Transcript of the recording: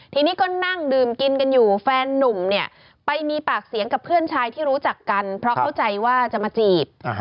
ทีนี้ก็นั่งดื่มกินกันอยู่แฟนนุ่มเนี่ยไปมีปากเสียงกับเพื่อนชายที่รู้จักกันเพราะเข้าใจว่าจะมาจีบ